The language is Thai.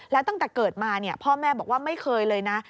แล้วตั้งแต่เกิดมาพ่อแม่บอกว่าไม่เคยเลยนะ